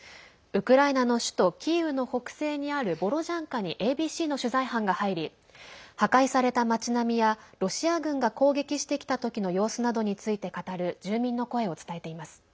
ウクライナの首都キーウの北西にあるボロジャンカにＡＢＣの取材班が入り破壊された町並みやロシア軍が攻撃してきたときの様子などについて語る住民の声を伝えています。